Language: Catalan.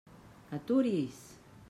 Aturi's!